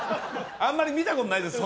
あんまり見たことないです